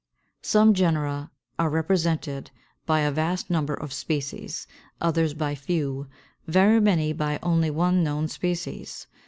Some genera are represented by a vast number of species, others by few, very many by only one known species.